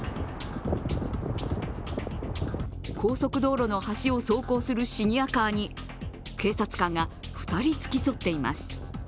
高速道路の端を走行するシニアカーに警察官が２人、付き添っています。